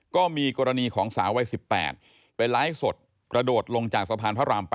ก็มีกรณีของสาววัย๑๘ไปไลฟ์สดกระโดดลงจากสะพานพระราม๘